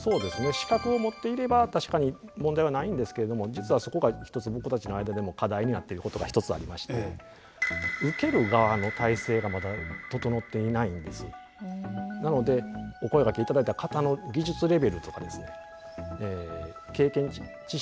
資格を持っていれば確かに問題はないんですけれども実はそこが一つ僕たちの間でも課題になっていることが一つありましてなのでお声がけ頂いた方の技術レベルとか経験値知識